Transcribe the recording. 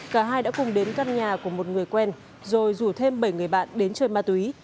cả hai đã cùng đến căn nhà của một người quen rồi rủ thêm bảy người bạn đến chơi ma túy